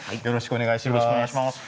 よろしくお願いします。